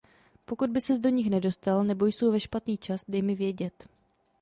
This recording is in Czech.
Pokud by ses do nich nedostal nebo jsou ve špatný čas, dej mi vědět.